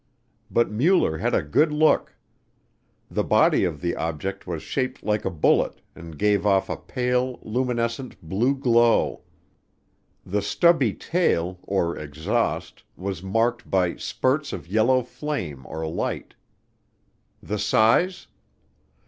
But Mueller had a good look. The body of the object was shaped like a bullet and gave off a "pale, luminescent blue glow." The stubby tail, or exhaust, was marked by "spurts of yellow flame or light." The size?